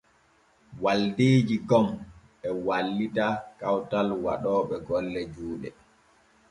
Waldeeji gom e wallita kawtal waɗooɓe golle juuɗe.